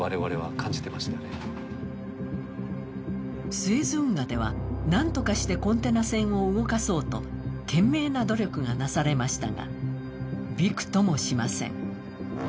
スエズ運河ではなんとかしてコンテナ船を動かそうと懸命な努力がなされましたが、びくともしません。